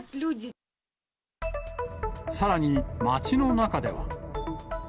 さらに、街の中では。